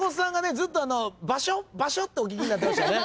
ずっと。ってお聞きになってましたよね。